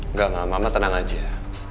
nggak mama mama tenang aja